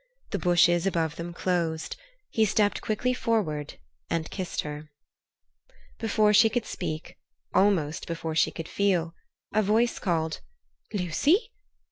The bushes above them closed. He stepped quickly forward and kissed her. Before she could speak, almost before she could feel, a voice called, "Lucy!